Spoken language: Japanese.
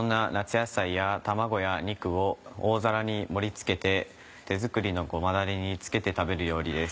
野菜や卵や肉を大皿に盛り付けて手作りのごまだれにつけて食べる料理です。